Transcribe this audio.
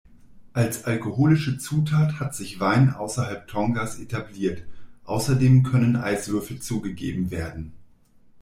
Als alkoholische Zutat hat sich Wein außerhalb Tongas etabliert, außerdem können Eiswürfel zugegeben werden.